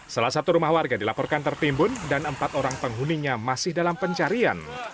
salah satu rumah warga dilaporkan tertimbun dan empat orang penghuninya masih dalam pencarian